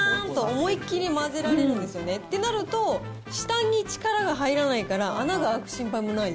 思いっ切り混ぜられるんですよね、となると、下に力が入らないから、穴が開く心配もない。